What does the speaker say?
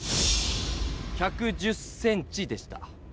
１１０ｃｍでした。